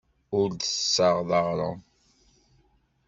Ur d-tessaɣeḍ aɣrum.